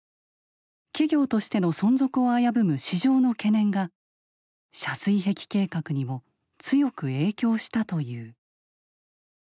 企業としての存続を危ぶむ市場の懸念が遮水壁計画にも強く影響したという。